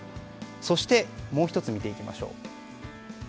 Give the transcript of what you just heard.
そしてもう１つ見ていきましょう。